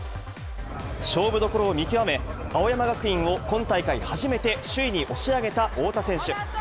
勝負どころを見極め、青山学院を今大会初めて首位に押し上げた太田選手。